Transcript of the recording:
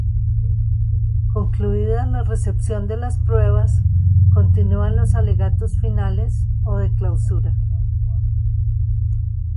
Concluida la recepción de las pruebas, continúan los alegatos finales o de clausura.